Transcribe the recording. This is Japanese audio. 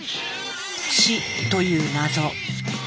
死という謎。